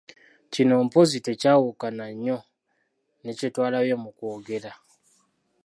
Kino mpozzi tekyawukana nnyo ne kye twalabye mu kwogera.